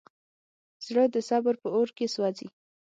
زړه د صبر په اور کې سوځي.